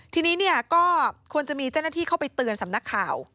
ทีนี้เนี่ยก็ควรจะมีเจ้าหน้าที่เข้าไปเตือนสำนักข่าว